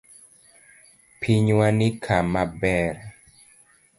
Pinywani kama ber.